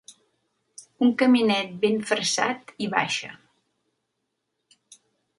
Un caminet ben fressat hi baixa.